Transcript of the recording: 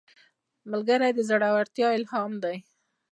ملګری د زړورتیا الهام دی